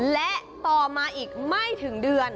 และต่อมาอีกไม่ถึงเดือน